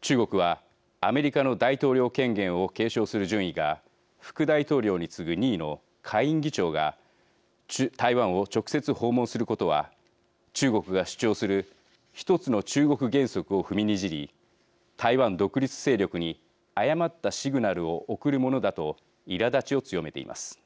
中国はアメリカの大統領権限を継承する順位が副大統領に次ぐ２位の下院議長が台湾を直接訪問することは中国が主張する１つの中国原則を踏みにじり台湾独立勢力に誤ったシグナルを送るものだといらだちを強めています。